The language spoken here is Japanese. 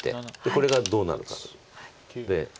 これがどうなるかと。